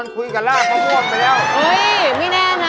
เจ้าไหน